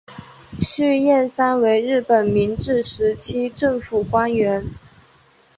续彦三为日本明治时期政府官员。